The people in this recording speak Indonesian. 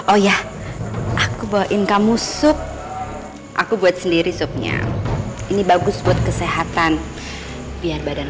oh ya aku bawain kamu sup aku buat sendiri supnya ini bagus buat kesehatan biar badan